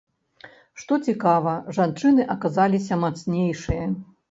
Што цікава, жанчыны аказаліся мацнейшыя.